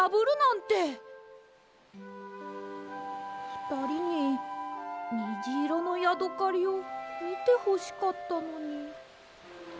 ふたりににじいろのヤドカリをみてほしかったのに。